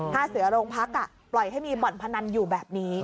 ถ้าเสือโรงพักปล่อยให้มีบ่อนพนันอยู่แบบนี้